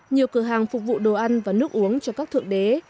nhiều cửa hàng phục vụ đồ ăn và nước uống cho các thượng đế